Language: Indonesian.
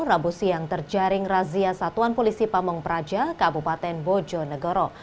rabu siang terjaring razia satuan polisi pamung praja kabupaten bojonegoro